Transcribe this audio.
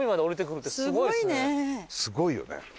すごいね。